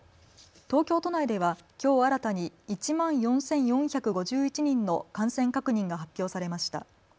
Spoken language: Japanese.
東京都内ではきょう新たに１万４４５１人の感染確認が発表されました。